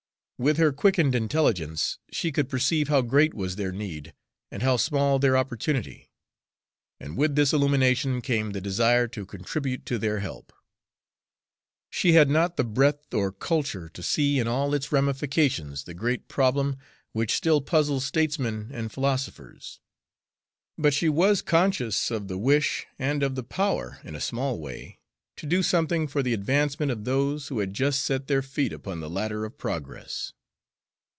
With her quickened intelligence she could perceive how great was their need and how small their opportunity; and with this illumination came the desire to contribute to their help. She had not the breadth or culture to see in all its ramifications the great problem which still puzzles statesmen and philosophers; but she was conscious of the wish, and of the power, in a small way, to do something for the advancement of those who had just set their feet upon the ladder of progress.